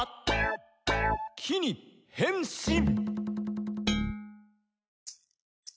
「『き』にへんしん」